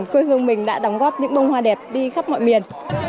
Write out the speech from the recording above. quê hương mình đã đóng góp những bông hoa đẹp đi khắp mọi miền